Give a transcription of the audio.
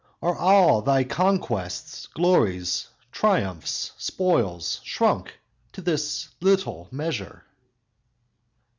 Are all thy conquests, glories, triumphs, spoils Shrunk to this little measure?"